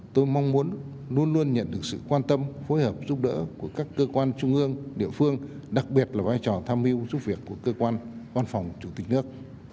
tôi mong muốn luôn luôn nhận được sự quan tâm phối hợp giúp đỡ của các cơ quan trung ương địa phương đặc biệt là vai trò tham mưu giúp việc của cơ quan văn phòng chủ tịch nước